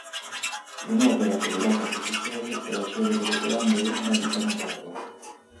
Un'opera collegata a questa serie è la celebre "Grande onda di Kanagawa".